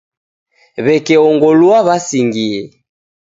W'eke ongolua w'asingie.